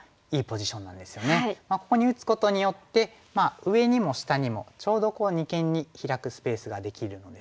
ここに打つことによって上にも下にもちょうど二間にヒラくスペースができるのですが。